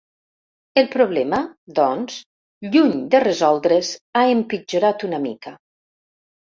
El problema, doncs, lluny de resoldre’s, ha empitjorat una mica.